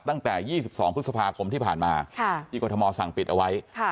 ตั้งแต่๒๒พฤษภาคมที่ผ่านมาที่กรทมสั่งปิดเอาไว้